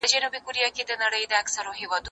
زه کولای سم سبزیجات تيار کړم،